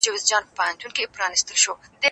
زه به سبا مړۍ وخورم؟!